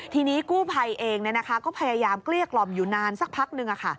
ทีนี้กู้ภัยเองก็พยายามเกลี้ยกล่อมอยู่นานสักพักนึง